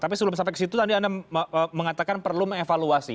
tapi sebelum sampai ke situ tadi anda mengatakan perlu mengevaluasi